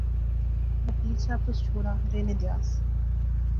وکیل صاحب، تس چھوڑا، رہنے دیا س